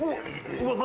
うわっ何？